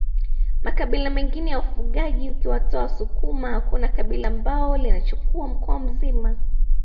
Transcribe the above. Makabila mengine ya wafugaji ukiwatoa wasukuma hakuna kabila ambalo linachukua mkoa mzima